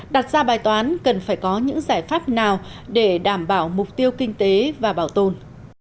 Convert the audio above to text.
đặt ra bài toán cần phải có những giải pháp nào để đảm bảo mục tiêu kinh tế và bảo tồn